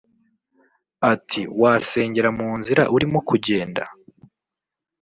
Ati “Wasengera mu nzira urimo kugenda